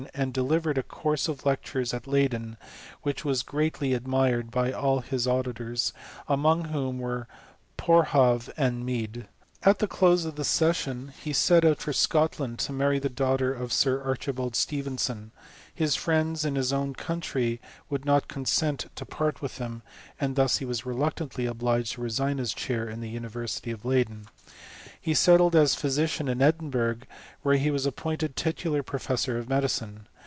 1 and delivered a course of lectures at Leyden, whic)^ was greatly admired by all his auditors, among whom were Boerhaave and Mead. At the close of the B^ih VAK HELMONT AKD THE IATE0 CHSMIST8. 209 skm he set out for Scotland, to marry the daughter of Sir Archibald Stevenson : his friends in his own country would not consent to part with him, and thus he was reluctantly obliged to resign his chair in the University of Leyaen . He settled as a physician in Edinburgh, where he was appointed titular professor of medicine.